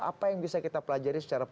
apa yang bisa kita pelajari secara